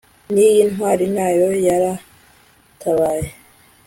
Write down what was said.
n'iyi ntwari nayo yaratabaye